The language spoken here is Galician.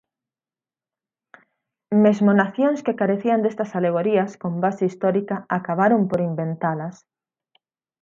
Mesmo nacións que carecían destas alegorías con base histórica acabaron por inventalas.